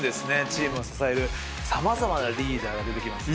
チームを支える様々なリーダーが出てきます。